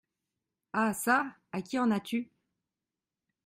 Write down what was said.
Ah ça ! à qui en as-tu ?